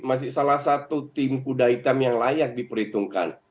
masih salah satu tim kuda hitam yang layak diperhitungkan